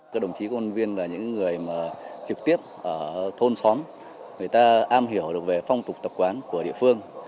công an viên là những người mà trực tiếp ở thôn xóm người ta am hiểu được về phong tục tập quán của địa phương